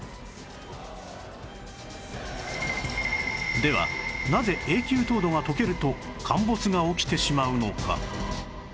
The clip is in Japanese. ではなぜ永久凍土が解けると陥没が起きてしまうのか？